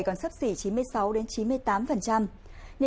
còn sắp xỉ chín mươi sáu đến chín mươi tám